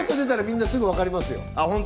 ちょっと出たら、みんなすぐわかりますよ。